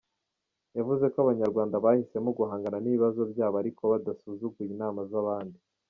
Yavuze ko Abanyarwanda bahisemo guhangana n’ibibazo byabo ariko badasuzuguye inama z’abandi.